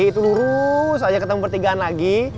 itu lurus aja ketemu pertigaan lagi